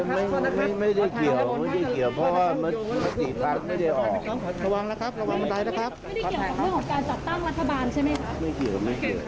ไม่เกี่ยวไม่เกี่ยว